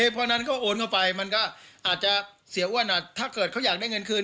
เพราะฉะนั้นก็โอนเข้าไปมันก็อาจจะเสียอ้วนถ้าเกิดเขาอยากได้เงินคืน